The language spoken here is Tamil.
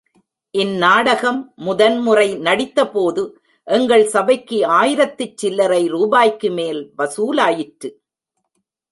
இந் நாடகம் முதன் முறை நடித்த போது எங்கள் சபைக்கு ஆயிரத்துச் சில்லரை ரூபாய்க்கு மேல் வசூலாயிற்று.